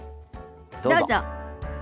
どうぞ。